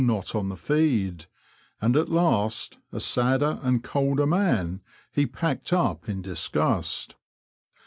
not on the feed, and at last, a sadder and colder man, he packed up in disgust.